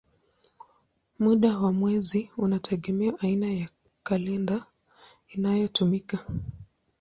Muda wa mwezi unategemea aina ya kalenda inayotumika.